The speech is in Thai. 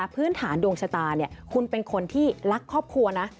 พื้นฐานดวงชะตาคุณเป็นคนที่รักครอบครัวนะ